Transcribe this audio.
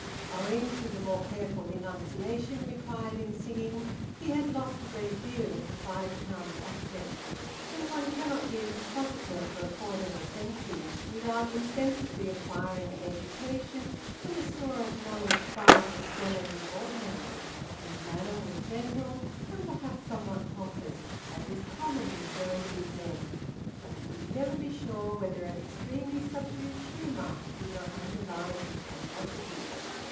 Owing to the more careful enunciation required in singing, he had lost a great deal of the Five Towns accent, and one cannot be a compositor for a quarter of a century without insensibly acquiring an education and a store of knowledge far excelling the ordinary. His manner was gentle, and perhaps somewhat pompous, as is common with very big men; but you could never be sure whether an extremely subdued humour did not underlie his pomposity.